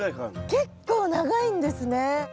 結構長いんですね。